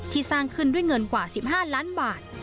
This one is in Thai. สร้างขึ้นด้วยเงินกว่า๑๕ล้านบาท